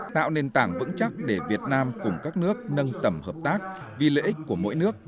tạo nền tảng vững chắc để việt nam cùng các nước nâng tầm hợp tác vì lợi ích của mỗi nước